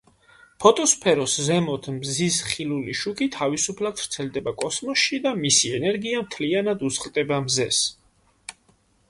ფოტოსფეროს ზემოთ მზის ხილული შუქი თავისუფლად ვრცელდება კოსმოსში და მისი ენერგია მთლიანად უსხლტება მზეს.